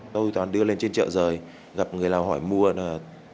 tôi toàn đưa lên trên chợ rời gặp người nào hỏi mua tôi bán ở trên chợ rời